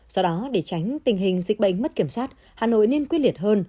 do đó để tránh tình hình dịch bệnh mất kiểm soát hà nội nên quyết liệt hơn